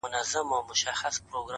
ستا تر ناز دي صدقه بلا گردان سم٫